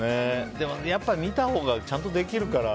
やっぱり見たほうがちゃんとできるから。